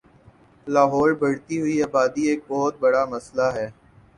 لاہور بڑھتی ہوئی آبادی ایک بہت بڑا مسلہ ہے